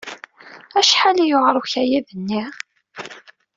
Acḥal i yewɛeṛ ukayad-nni?